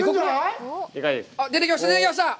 出てきました！